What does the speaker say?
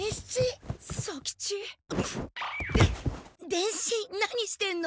伝七何してんの？